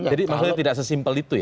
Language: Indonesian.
jadi maksudnya tidak sesimpel itu ya